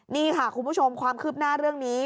นี่ค่ะคุณผู้ชมความคืบหน้าเรื่องนี้